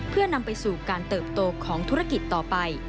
เพื่อนำไปสู่การเติบโตของธุรกิจต่อไป